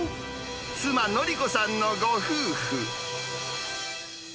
妻、法子さんのご夫婦。